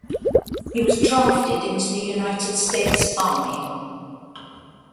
He was drafted into the United States Army.